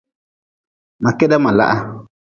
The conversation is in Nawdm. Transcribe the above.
Ma keda ma laha.